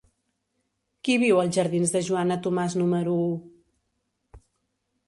Qui viu als jardins de Joana Tomàs número u?